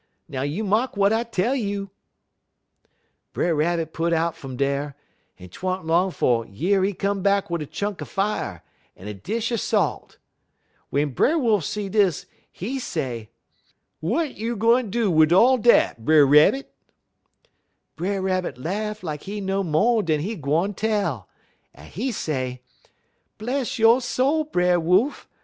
Now you mark w'at I tell you!' "Brer Rabbit put out fum dar, en 't wa'n't long 'fo' yer he come back wid a chunk er fier, un a dish er salt. W'en Brer Wolf see dis, he say: "'W'at you gwine do wid all dat, Brer Rabbit?' "Brer Rabbit laugh like he know mo' dan he gwine tell, un he say: "'Bless yo' soul, Brer Wolf!